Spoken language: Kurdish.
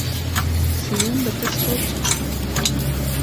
Sîmon bi tirs got: